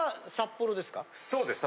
そうです。